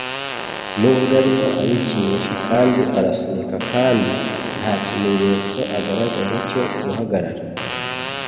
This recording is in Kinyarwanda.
Nubwo arimo arikinisha kandi arasunika kandi nta kimenyetso agaragaza cyo guhagarara,